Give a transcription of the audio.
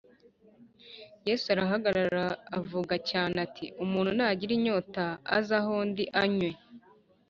Yesu arahagarara avuga cyane ati: Umuntu nagira inyota, aze aho ndi anywe.